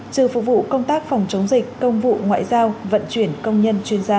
trừ phục vụ công tác phòng chống dịch công vụ ngoại giao vận chuyển công nhân chuyên gia